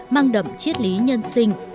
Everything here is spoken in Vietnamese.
mang đậm chiết lý nhân sinh